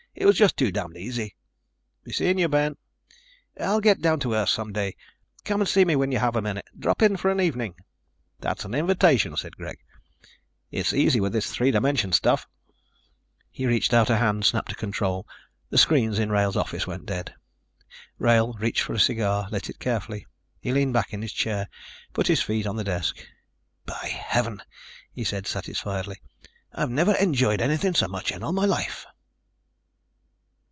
"It was just too damned easy." "Be seeing you, Ben." "I'll get down to Earth some day. Come see me when you have a minute. Drop in for an evening." "That's an invitation," said Greg. "It's easy with this three dimension stuff." He reached out a hand, snapped a control. The screens in Wrail's office went dead. Wrail reached for a cigar, lit it carefully. He leaned back in his chair, put his feet on the desk. "By Heaven," he said satisfiedly, "I've never enjoyed anything so much in all my life."